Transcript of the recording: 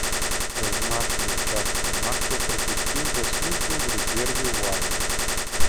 Значную частку матчаў прапусціў з-за службы ў рэзерве ў арміі.